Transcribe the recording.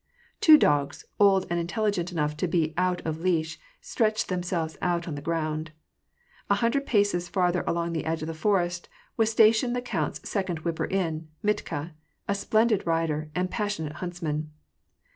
Two dogs, old and intelligent enough to be out of leash, stretched themselves out on the ground. A hundred paces farther along the edge of the forest was stationed the count's second whipper in, Mitka, a splendid rider, and passionate huntsman.